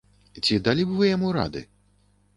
Ці далі б вы яму рады!?